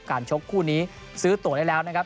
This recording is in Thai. ชกคู่นี้ซื้อตัวได้แล้วนะครับ